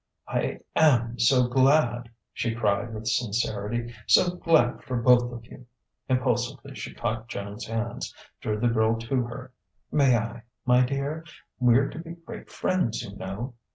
"I am so glad!" she cried with sincerity "so glad for both of you!" Impulsively she caught Joan's hands, drew the girl to her "May I, my dear? We're to be great friends, you know!"